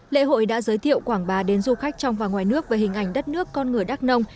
lễ hội đã giới thiệu quảng bá đến du khách trong và ngoài nước về hình ảnh đất nước con người đắk nông